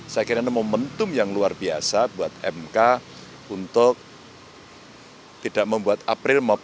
saya kira ini momentum yang luar biasa buat mk untuk tidak membuat april